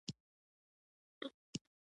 کله چې د سیسل روډز کمپنۍ پرمختګ پیل کړ.